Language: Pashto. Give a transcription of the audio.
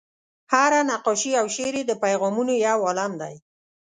هره نقاشي او شعر یې د پیغامونو یو عالم دی.